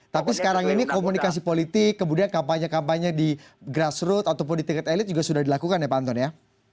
tapi sekarang ini komunikasi politik kemudian kampanye kampanye di grassroot ataupun di tingkat elit juga sudah dilakukan ya pak anton ya